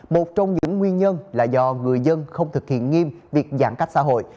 một trong những nguyên nhân là do người dân không thực hiện nghiêm việc giãn cách xã hội